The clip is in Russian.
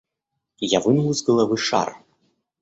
Я вынул из головы шар.